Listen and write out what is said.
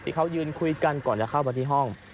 ที่เขายืนคุยกันก่อนจะเข้ามาที่ห้อง